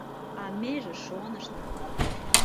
А меже шонышна!..